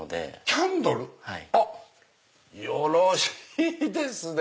キャンドル⁉よろしいですねぇ！